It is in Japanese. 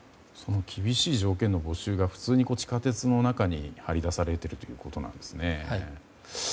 厳しい条件の募集が普通に地下鉄の中に貼り出されているということなんですね。